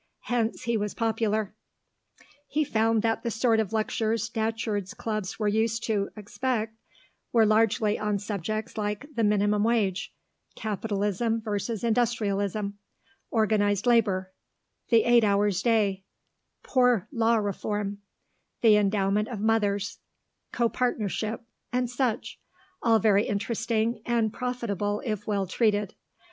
Hence he was popular. He found that the sort of lectures Datcherd's clubs were used to expect were largely on subjects like the Minimum Wage, Capitalism versus Industrialism, Organised Labour, the Eight Hours Day, Poor Law Reform, the Endowment of Mothers, Co partnership, and such; all very interesting and profitable if well treated.